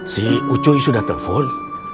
si ucuy sudah telfon